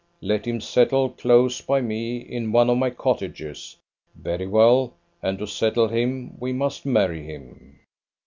let him settle close by me, in one of my cottages; very well, and to settle him we must marry him."